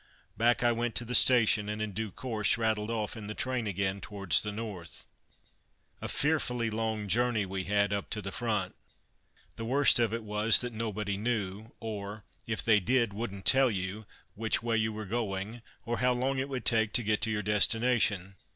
Back I went to the station, and in due course rattled off in the train again towards the North. A fearfully long journey we had, up to the Front! The worst of it was that nobody knew or, if they did, wouldn't tell you which way you were going, or how long it would take to get to your destination.